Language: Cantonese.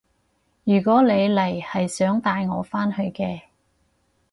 如果你嚟係想帶我返去嘅